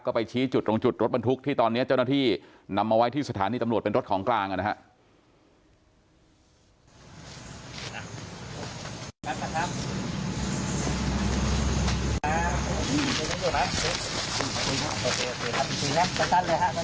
ก็ไปชี้จุดตรงจุดรถบรรทุกที่ตอนนี้เจ้าหน้าที่นำมาไว้ที่สถานีตำรวจเป็นรถของกลางนะครับ